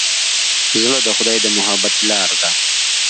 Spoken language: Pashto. زړه د خدای د محبت لاره ده.